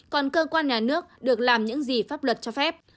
còn cơ quan nhà nước được làm những gì pháp luật cho phép